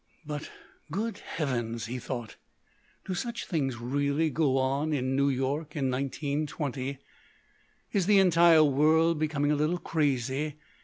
But "Good heavens!" he thought; "do such things really go on in New York in 1920! Is the entire world becoming a little crazy?